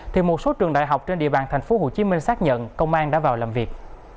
thì một số trường đại học trên địa bàn thành phố hồ chí minh xác nhận công an đã vào làm việc